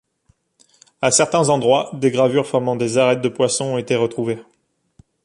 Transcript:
À certains endroits, des gravures formant des arêtes de poisson ont été retrouvées.